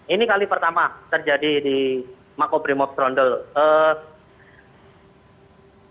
ini kali pertama terjadi di makbis primo semarang